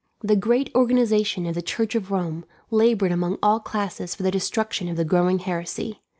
The great organization of the Church of Rome laboured among all classes for the destruction of the growing heresy.